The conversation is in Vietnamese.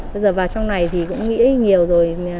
bây giờ vào trong này thì cũng nghĩ nhiều rồi